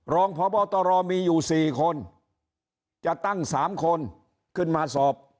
รองพบตรมีอยู่๔คนจะตั้ง๓คนขึ้นมาสอบ